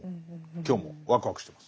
今日もワクワクしてます。